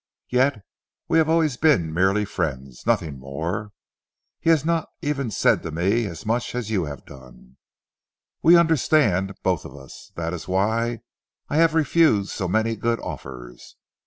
Yet we have always been merely friends; nothing more. He has not even said to me as much as you have done. We understand, both of us. That is why I have refused so many good offers.